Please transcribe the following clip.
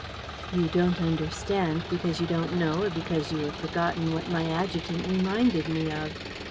"You don't understand, because you don't know or because you have forgotten what my adjutant reminded me of.